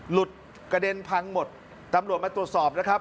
หลุดกระเด็นพังหมดตำรวจมาตรวจสอบนะครับ